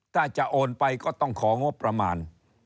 ถ้าจะโอนไปก็ต้องของงบประมาณ